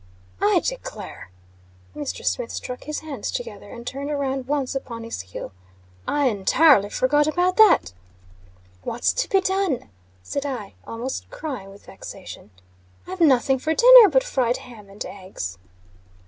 "I declare!" Mr. Smith struck his hands together, and turned around once upon his heel. "I entirely forgot about that." "What's to be done?" said I, almost crying with vexation. "I've nothing for dinner but fried ham and eggs."